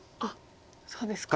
そうですか。